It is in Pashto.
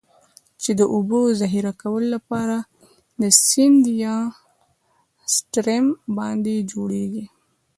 چې د اوبو د ذخیره کولو لپاره د سیند یا Stream باندی جوړیږي.